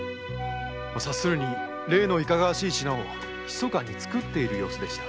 察するに例のいかがわしい品を密かに作っていたようです。